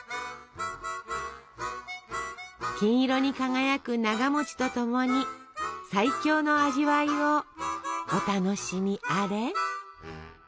金色に輝くながと共に最強の味わいをお楽しみあれ。